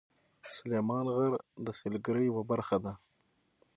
سلیمان غر د سیلګرۍ یوه برخه ده.